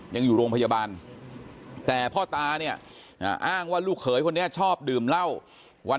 ยังอยู่โรงพยาบาลแต่พ่อตาเนี่ยอ้างว่าลูกเขยคนนี้ชอบดื่มเหล้าวัน